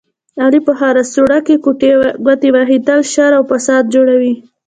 علي په هره سوړه کې ګوتې وهي، تل شر او فساد جوړوي.